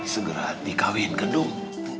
segera dikawin ke dung